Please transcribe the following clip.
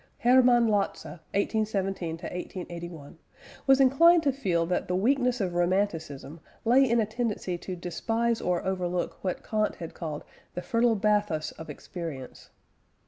Hermann Lotze (1817 1881) was inclined to feel that the weakness of Romanticism lay in a tendency to despise or overlook what Kant had called "the fertile bathos of experience."